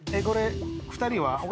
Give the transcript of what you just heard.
これ２人は？